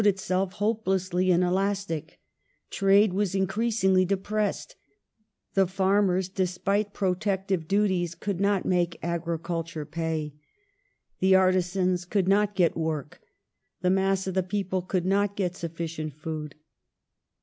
1846] THE INCOME TAX 165 itself hopelessly inelastic ; trade was increasingly depressed ; the farmei s, despite protective duties, could not make agriculture pay ; the artisans could not get work ; the mass of the people could not get sufficient food.